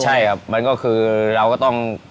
ใช่ครับมันก็คือเราก็ต้อง